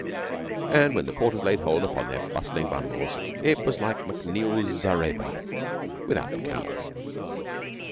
And when the porters laid hold upon their bristling bundles, it was like MacNeill's Zareba without the camels.